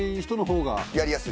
やりやすい。